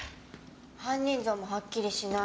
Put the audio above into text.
犯人像もはっきりしない。